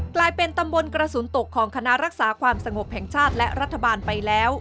กลายเป็นตำบลกระสุนตกของคณะรักษาความสงบแห่งชาติและรัฐบาลไปแล้ว